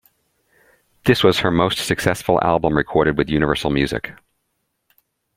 This was her most successful album recorded with Universal Music.